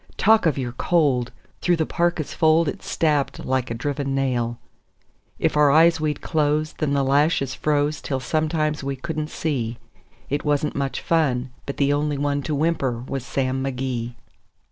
Talk of your cold! through the parka's fold it stabbed like a driven nail. If our eyes we'd close, then the lashes froze till sometimes we couldn't see; It wasn't much fun, but the only one to whimper was Sam McGee.